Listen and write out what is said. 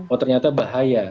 oh ternyata bahaya